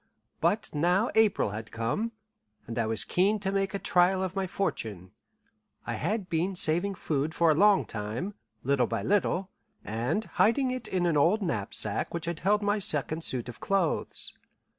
But now April had come, and I was keen to make a trial of my fortune. I had been saving food for a long time, little by little, and hiding it in the old knapsack which had held my second suit of clothes.